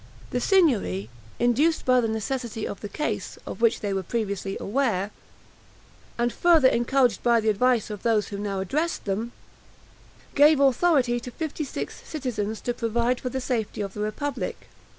The Signory, induced by the necessity of the case, of which they were previously aware, and further encouraged by the advice of those who now addressed them, gave authority to fifty six citizens to provide for the safety of the republic.